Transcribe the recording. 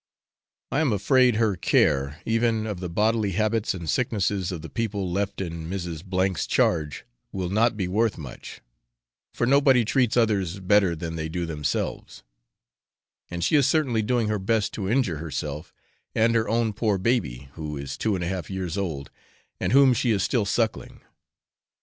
I am afraid her care, even of the bodily habits and sicknesses of the people left in Mrs. G 's charge, will not be worth much, for nobody treats others better than they do themselves; and she is certainly doing her best to injure herself and her own poor baby, who is two and a half years old, and whom she is still suckling.